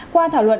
qua thảo luận